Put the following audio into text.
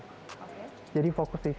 sudah masih tak bisa